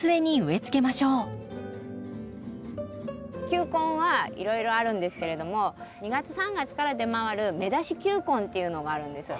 球根はいろいろあるんですけれども２月３月から出回る芽出し球根っていうのがあるんです。